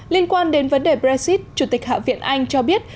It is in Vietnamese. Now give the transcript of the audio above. liên quan đến vấn đề brexit chủ tịch hạ viện anh cho biết